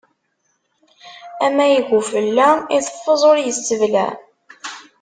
Amayeg ufella, iteffeẓ ur yesseblaɛ.